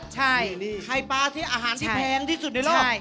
ใช่ไข่ปลาที่อาหารที่แพงที่สุดในโลก